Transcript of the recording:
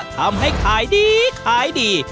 ทำให้ขายดีขายดี